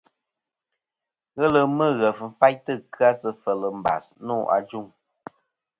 Ghelɨ Mughef fayntɨ kɨ-a sɨ fel mbas nô ajuŋ.